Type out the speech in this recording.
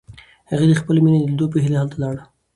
هغه د خپلې مینې د لیدو په هیله هلته لاړ.